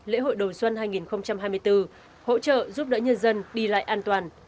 lễ hội đầu xuân hai nghìn hai mươi bốn hỗ trợ giúp đỡ nhân dân đi lại an toàn